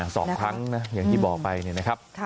สองครั้งนะอย่างที่บอกไปเนี่ยนะครับ